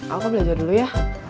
aku belajar dulu ya